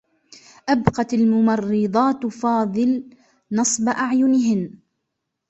أبقت الممرّضات فاضل نصب أعينهنّ.